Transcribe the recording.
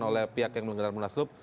oleh pihak yang mengendalikan munaslub